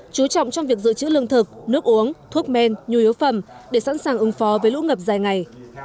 chú trọng trong việc giữ chữ lương thực nước uống thuốc men nhu yếu phẩm để sẵn sàng ứng phó với lũ ngập dài ngày